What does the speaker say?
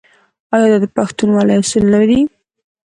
آیا دا د پښتونولۍ اصول نه دي؟